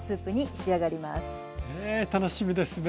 ねえ楽しみですね。